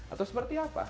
atau seperti apa